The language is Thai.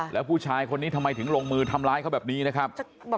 แล้วผู้ชายคนนี้ทำไมถึงลงมือทำร้ายเขาแบบนี้นะครับ